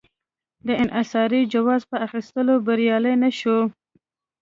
د انحصاري جواز په اخیستو بریالی نه شو.